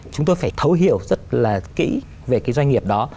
chúng tôi phải thấu hiểu rất là kỹ về cái doanh nghiệp đó